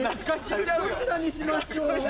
どちらにしましょう？